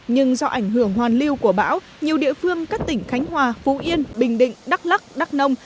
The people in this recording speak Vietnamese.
nhưng do ảnh hưởng hoàn lưu của bão nhiều địa phương các tỉnh khánh hòa phú yên bình định đắk lắc đắk nông